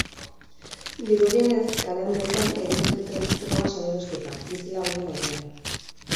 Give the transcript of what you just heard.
Dirudienez, kalean bertan egiten zuten droga-salerosketa, bizilagunen aurrean.